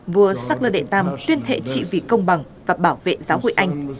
vua shackler đệ tam tuyên thệ trị vị công bằng và bảo vệ giáo hội anh